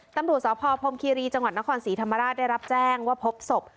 ตำรวจสพพรมคีรีจังหวัดนครศรีธรรมราชได้รับแจ้งว่าพบศพ